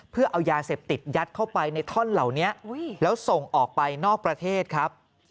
เพื่อเอายาเสพติดยัดเข้าไปในท่อนเหล่านี้แล้วส่งออกไปนอกประเทศครับ